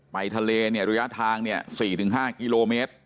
ไปทะเลเนี่ยระยะทางเนี่ย๔๕กิโลเมตร